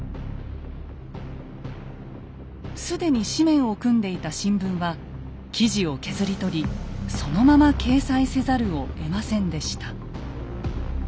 既に紙面を組んでいた新聞は記事を削り取りそのまま掲載せざるをえませんでした。